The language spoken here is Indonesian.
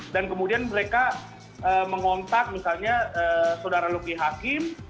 dan kemudian mereka mengontak misalnya saudara luki hakim